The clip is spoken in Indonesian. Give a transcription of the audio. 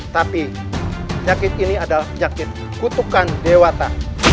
tapi penyakit ini adalah penyakit kutukan dewata